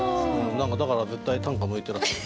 何かだから絶対短歌向いてらっしゃる。